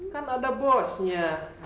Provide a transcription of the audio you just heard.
kan ada bosnya